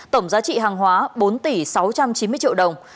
tổng giá trị hàng hóa bốn tỷ sáu trăm chín mươi triệu đồng